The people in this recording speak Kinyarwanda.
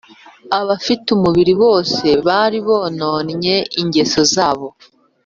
abafite umubiri bose bari bononnye ingeso zabo